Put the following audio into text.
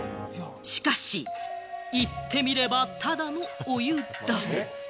しかし、言ってみれば、ただのお湯だ。